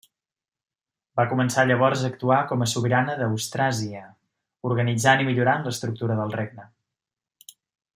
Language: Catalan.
Va començar llavors a actuar com a sobirana d'Austràsia, organitzant i millorant l'estructura del regne.